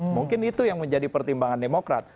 mungkin itu yang menjadi pertimbangan demokrat